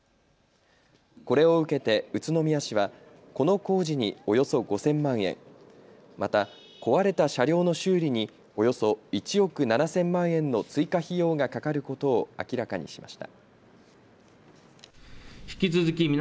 これを受けて宇都宮市はこの工事におよそ５０００万円、また壊れた車両の修理におよそ１億７０００万円の追加費用がかかることを明らかにしました。